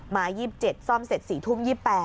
มาอ๊ะ๒๗ซ่อมเสร็จสี่ทุ่ม๒๖